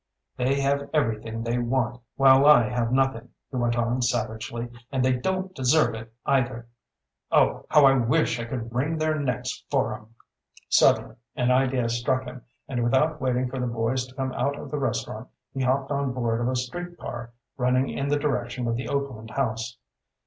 "They have everything they want, while I have nothing," he went on savagely. "And they don't deserve it, either. Oh, how I wish I could wring their necks for 'em!" Suddenly an idea struck him and without waiting for the boys to come out of the restaurant he hopped on board of a street car running in the direction of the Oakland House.